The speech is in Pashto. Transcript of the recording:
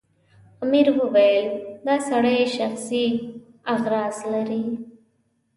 امیر وویل دا سړی شخصي اغراض لري.